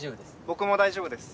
僕も大丈夫です。